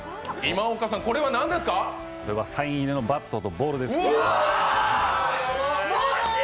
これは、サイン入りのバットとボールです。